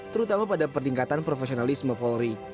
terutama pada peningkatan profesionalisme polri